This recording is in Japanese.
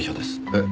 えっ？